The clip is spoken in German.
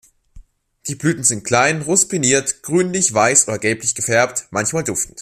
Die Blüten sind klein, resupiniert, grünlich, weiß oder gelblich gefärbt, manchmal duftend.